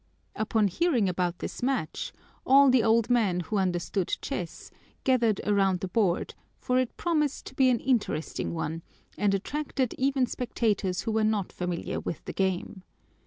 Upon hearing about this match all the old men who understood chess gathered around the board, for it promised to be an interesting one, and attracted even spectators who were not familiar with the game.